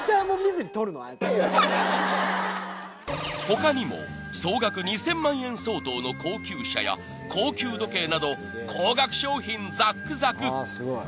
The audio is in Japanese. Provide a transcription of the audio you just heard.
［他にも総額２，０００万円相当の高級車や高級時計など高額商品ざっくざく］